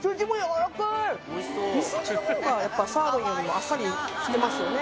みすじの方がやっぱサーロインよりもあっさりしてますよね